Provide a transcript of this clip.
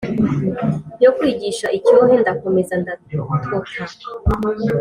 Yo kwigisha icyohe, Ndakomeza ndatota